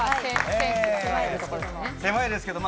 狭いですけども。